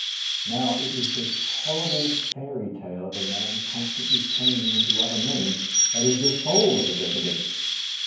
Now, it is this hor rible fairy tale of a man constantly changing into other men that is the soul of the de cadence.